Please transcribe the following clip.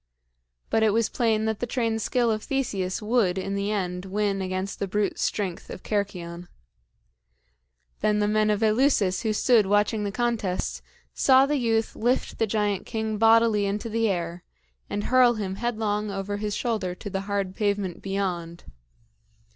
But it was plain that the trained skill of Theseus would, in the end, win against the brute strength of Cercyon. Then the men of Eleusis who stood watching the contest, saw the youth lift the giant king bodily into the air and hurl him headlong over his shoulder to the hard pavement beyond.